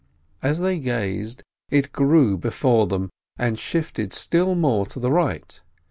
As they gazed it grew before them, and shifted still more to the right.